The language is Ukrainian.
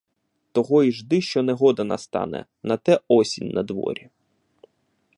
Того й жди, що негода настане; на те осінь надворі.